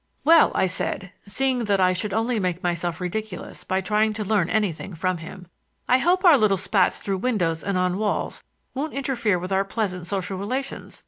"Well," I said, seeing that I should only make myself ridiculous by trying to learn anything from him, "I hope our little spats through windows and on walls won't interfere with our pleasant social relations.